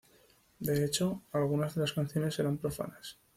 De hecho, algunas de las canciones eran profanas.